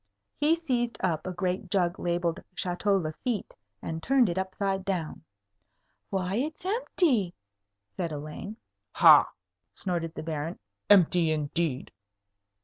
He seized up a great jug labelled "Château Lafitte," and turned it upside down. "Why, it's empty!" said Elaine. "Ha!" snorted the Baron; "empty indeed."